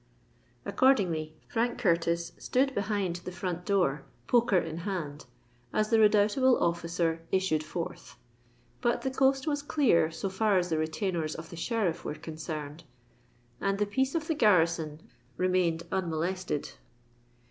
Accordingly, Frank Curtis stood behind the front door, poker in hand, as the redoubtable officer issued forth; but the coast was clear so far as the retainers of the Sheriff were concerned; and the peace of the garrison remained unmolested.